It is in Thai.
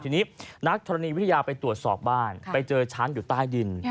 ทีนี้นักธรณีวิทยาไปตรวจสอบบ้านไปเจอช้างอยู่ใต้ดิน